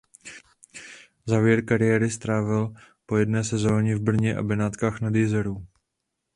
Závěr kariéry strávil po jedné sezóně v Brně a Benátkách nad Jizerou.